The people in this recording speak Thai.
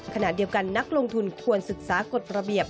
ขณะเดียวกันนักลงทุนควรศึกษากฎระเบียบ